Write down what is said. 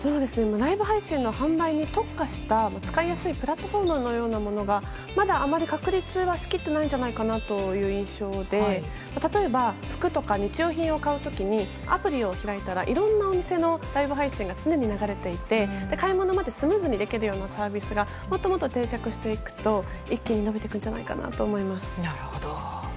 ライブ配信の販売に特化した使いやすいプラットフォームがまだあまり確立しきってないんじゃないかなという印象で例えば、服とか日用品を買う時にアプリを開いたらいろんなお店のライブ配信が常に流れていて、買い物がスムーズにできるようなサービスがもっともっと定着してくると一気に伸びていくんじゃないかと思います。